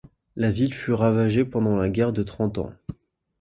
La ville fut ravagée pendant la guerre de Trente Ans.